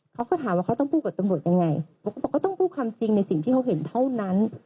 เขาก็ถามว่าเขาต้องพูดกับตำรวจยังไงเขาก็บอกก็ต้องพูดความจริงในสิ่งที่เขาเห็นเท่านั้น